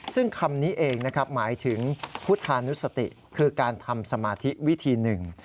ซึ่งคำนี้เองนะครับหมายถึงพุทธานุสติคือการทำสมาธิวิธีหนึ่ง